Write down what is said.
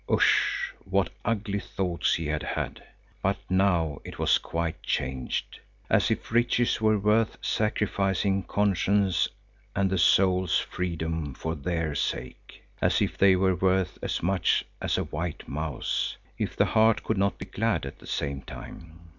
Usch! what ugly thoughts he had had; but now it was quite changed. As if riches were worth sacrificing conscience and the soul's freedom for their sake! As if they were worth as much as a white mouse, if the heart could not be glad at the same time!